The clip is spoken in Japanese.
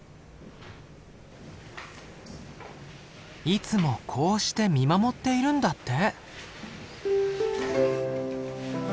いつもこうして見守っているんだって。